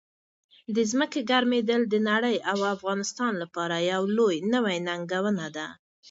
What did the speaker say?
د ځمکې ګرمېدل د نړۍ او افغانستان لپاره یو لوی نوي ننګونه ده.